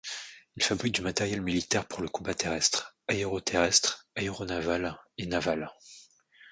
Il fabrique du matériel militaire pour le combat terrestre, aéroterrestre, aéronaval et naval.